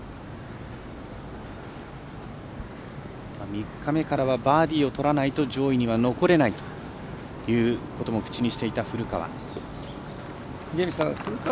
３日目からはバーディーをとらないと上位には残れないということも口にしていた古川。